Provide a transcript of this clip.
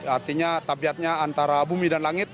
artinya tabiatnya antara bumi dan langit